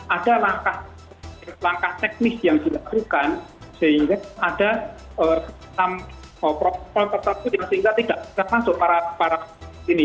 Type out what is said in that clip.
ada langkah teknis yang dilakukan sehingga ada protokol tersebut sehingga tidak bisa masuk para ini